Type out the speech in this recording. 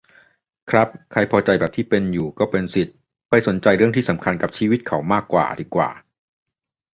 ครับ ใครพอใจแบบที่เป็นอยู่ ก็เป็นสิทธิ์ ไปสนใจเรื่องที่สำคัญกับชีวิตเขามากกว่าดีกว่า